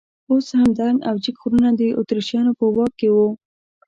اوس هم دنګ او جګ غرونه د اتریشیانو په واک کې وو.